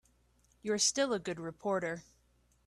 You're still a good reporter.